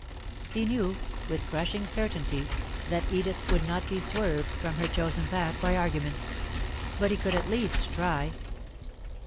He knew, with crushing certainty, that Edith would not be swerved from her chosen path by argument but he could at least try.